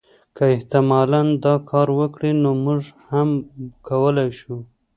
که احتمالا دا کار وکړي نو موږ هم کولای شو.